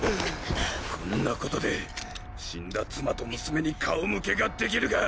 こんなことで死んだ妻と娘に顔向けができるか！